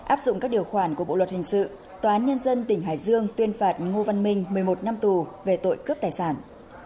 áp dụng các điều khoản của bộ luật hình sự tòa án nhân dân tỉnh hải dương tuyên phạt ngô văn minh một mươi một năm tù về tội cướp tài sản